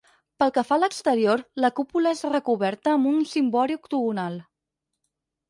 Pel que fa a l'exterior, la cúpula és recoberta amb un cimbori octogonal.